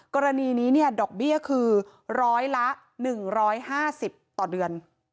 กรณีนี้ดอกเบี้ยคือ๑๐๐ละ๑๕๐ต่อเดือน